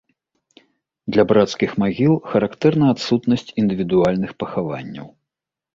Для брацкіх магіл характэрна адсутнасць індывідуальных пахаванняў.